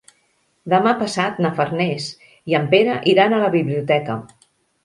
Demà passat na Farners i en Pere iran a la biblioteca.